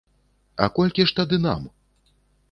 А колькі ж тады нам?